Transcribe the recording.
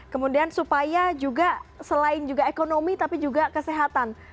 kemudian supaya juga selain juga ekonomi tapi juga kesehatan